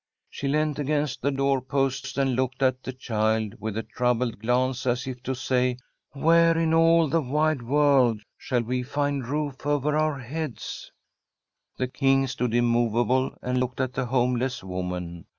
She leant against the door posts and kwked at the child with a troubled gfauKe« as if to say: ^ Wliere in all the wide world shall we find a lool OTer our heads? ' The King stood immovable, and looked at the homeless woman.